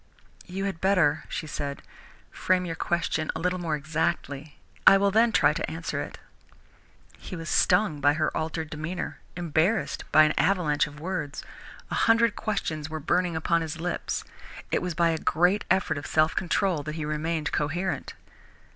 "You had better," she said, "frame your question a little more exactly. I will then try to answer it." He was stung by her altered demeanour, embarrassed by an avalanche of words. A hundred questions were burning upon his lips. It was by a great effort of self control that he remained coherent.